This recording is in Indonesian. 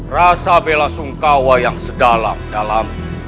rasa bela sungkawa yang sedalam dalam